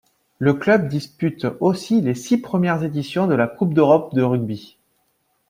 Le club dispute aussi les six premières éditions de la Coupe d’Europe de rugby.